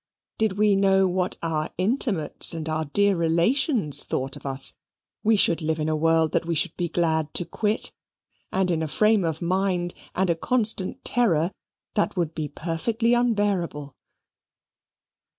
Did we know what our intimates and dear relations thought of us, we should live in a world that we should be glad to quit, and in a frame of mind and a constant terror, that would be perfectly unbearable.